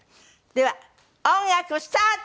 では音楽スタート！